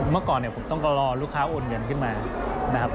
เมื่อก่อนเนี่ยผมต้องรอลูกค้าโอนเงินขึ้นมานะครับ